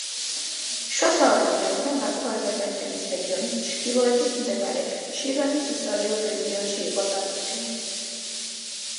შუა საუკუნეებიდან ბაქო აზერბაიჯანის რეგიონის ჩრდილოეთით მდებარე შირვანის ისტორიულ რეგიონში იყო წარმოდგენილი.